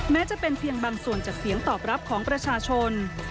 แม้จะเป็นเพียงบางส่วนจากเสียงตอบรับของประชาชน